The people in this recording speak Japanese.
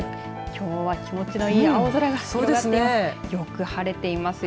きょうは気持ちのいい青空が広がっています。